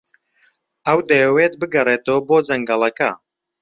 ئەو دەیەوێت بگەڕێتەوە بۆ جەنگەڵەکە.